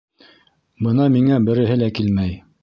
Бына миңә береһе лә килмәй.